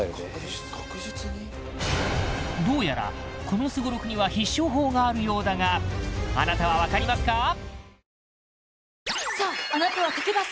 どうやらこのすごろくには必勝法があるようだがあなたは分かりますか？